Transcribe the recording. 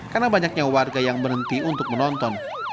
karena banyaknya warga yang berhenti untuk menonton